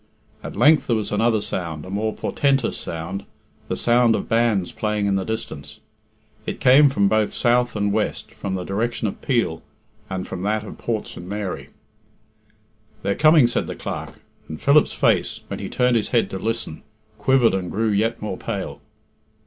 At length there was another sound a more portentous sound the sound of bands playing in the distance. It came from both south and west, from the direction of Peel, and from that of Port St. Mary. "They're coming," said the Clerk, and Philip's face, when he turned his head to listen, quivered and grew yet more pale.